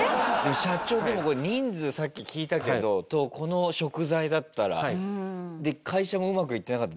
社長でもこれ人数さっき聞いたけどこの食材だったらで会社もうまくいってなかった。